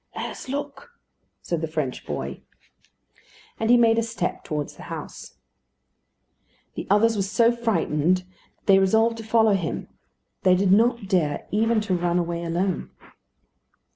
"Let us look," said the French boy. And he made a step towards the house. The others were so frightened that they resolved to follow him. They did not dare even to run away alone.